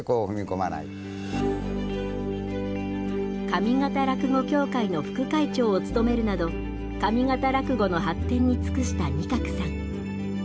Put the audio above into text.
上方落語協会の副会長を務めるなど上方落語の発展に尽くした仁鶴さん。